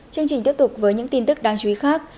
chương trình tiếp tục với những tin tức đáng chú ý khác